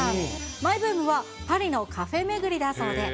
マイブームはパリのカフェ巡りだそうです。